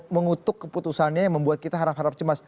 mengutuk keputusannya yang membuat kita harap harap cemas